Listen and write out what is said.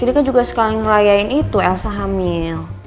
gak suka sekali ngerayain itu elsa hamil